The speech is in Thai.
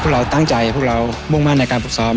เราตั้งใจพวกเรามุ่งมั่นในการฝึกซ้อม